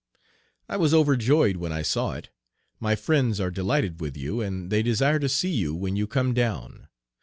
I was overjoyed when I saw it. My friends are delighted with you, and they desire to see you when you come down.